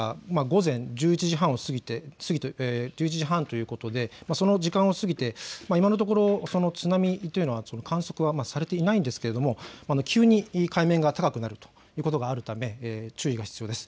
時刻は午前１１時半ということでその時間を過ぎて今のところ津波というのは観測されていないんですけども急に海面が高くなるということがあるため注意が必要です。